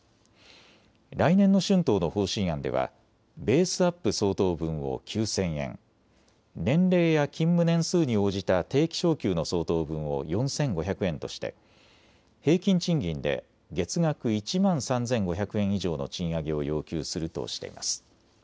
来年の春闘の方針案ではベースアップ相当分を９０００円、年齢や勤務年数に応じた定期昇給の相当分を４５００円として平均賃金で月額１万３５００円以上の賃上げを要求するとしています。